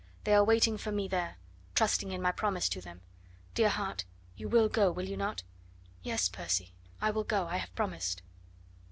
They are waiting for me there, trusting in my promise to them. Dear heart, you will go, will you not?" "Yes, Percy," she replied. "I will go; I have promised."